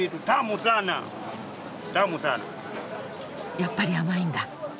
やっぱり甘いんだ。